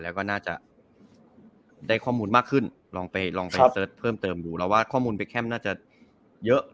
แล้วก็น่าจะได้ข้อมูลมากขึ้นลองไปลองไปเสิร์ชเพิ่มเติมดูเราว่าข้อมูลไปแคมน่าจะเยอะ